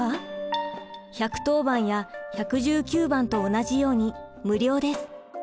１１０番や１１９番と同じように無料です。